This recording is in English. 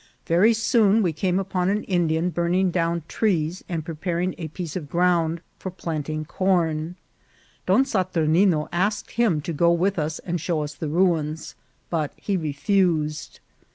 Very soon we came upon an Indian burning down trees and pre paring a piece of ground for planting corn. Don Sat urnino asked him to go with us and show us the ruins, but he refused.